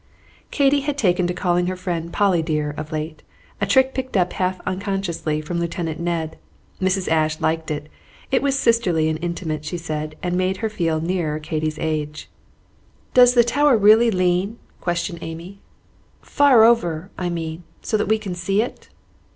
Katy had taken to calling her friend "Polly dear" of late, a trick picked up half unconsciously from Lieutenant Ned. Mrs. Ashe liked it; it was sisterly and intimate, she said, and made her feel nearer Katy's age. "Does the tower really lean?" questioned Amy, "far over, I mean, so that we can see it?"